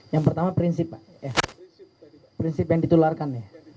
yang pertama prinsip prinsip yang ditularkan